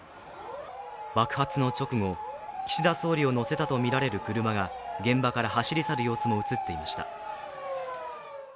爆発の直後、岸田総理を乗せたとみられる車が現場から走り去る様子も映っていました。